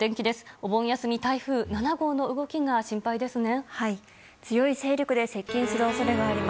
お盆休み、台風７号の動きが心配ですね。